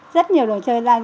rất nhiều đồ chơi ra giữa nhà